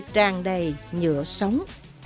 tràn đầy nhựa sống